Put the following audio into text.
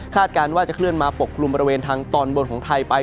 การว่าจะเคลื่อนมาปกกลุ่มบริเวณทางตอนบนของไทยไป